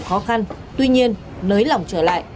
khó khăn tuy nhiên nới lỏng trở lại